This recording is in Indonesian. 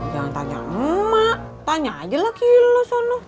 jangan tanya mak tanya aja laki lo sana